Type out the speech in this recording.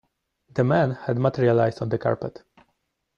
The man had materialized on the carpet.